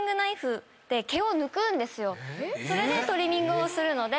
それでトリミングをするので。